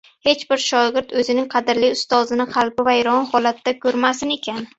Hech bir shogird oʻzining qadrli ustozini qalbi vayron holatda koʻrmasin ekan.